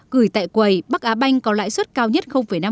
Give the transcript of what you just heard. gửi tại quầy bắc á banh có lãi suất cao nhất năm